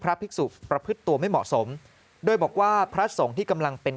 ภิกษุประพฤติตัวไม่เหมาะสมโดยบอกว่าพระสงฆ์ที่กำลังเป็น